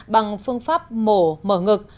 bằng phương pháp mổ mở ngực